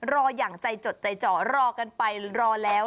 รออย่างใจจดใจจ่อรอกันไปรอแล้ว